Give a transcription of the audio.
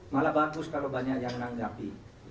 malah bagus kalau banyak yang menanggapi